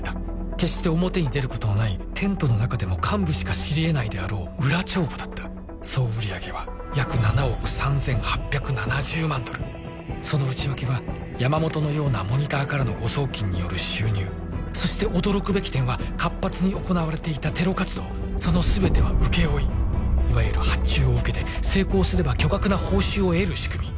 決して表に出ることのないテントの中でも幹部しか知り得ないであろう裏帳簿だった総売上は約７億３８７０万ドルその内訳は山本のようなモニターからの誤送金による収入そして驚くべき点は活発に行われていたテロ活動その全ては請け負いいわゆる発注を受けて成功すれば巨額な報酬を得る仕組み